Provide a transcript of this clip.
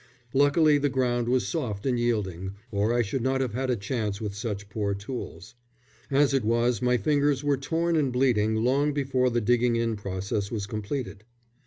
Luckily the ground was soft and yielding, or I should not have had a chance with such poor tools. As it was, my fingers were torn and bleeding long before the digging in process was completed.